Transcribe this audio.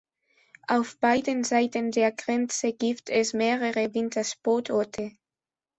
Auf beiden Seiten der Grenze gibt es mehrere Wintersportorte.